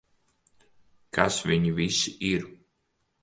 Kas viņi visi ir?